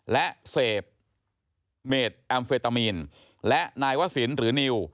และเสพเมดแอมเฟตามีนและนายวศิลป์หรือนิว